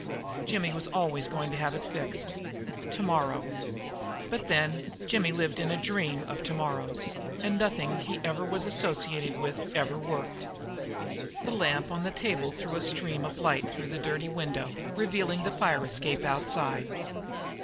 Jimmy was always going to have it fixed tomorrow. But then Jimmy lived in a dream of tomorrows; and nothing he was ever associated with ever worked. The lamp on the table threw a stream of light through the dirty window, revealing the fire escape outside.